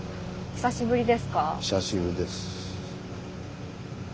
久しぶりです。